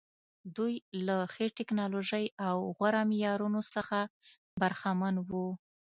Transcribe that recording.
دوی له ښې ټکنالوژۍ او غوره معیارونو څخه برخمن وو.